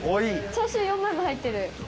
チャーシュー４枚も入ってる！